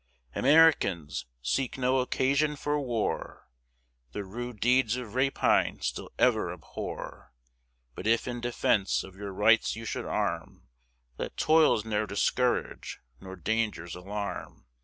"Americans, seek no occasion for war; The rude deeds of rapine still ever abhor: But if in defence of your rights you should arm, Let toils ne'er discourage, nor dangers alarm.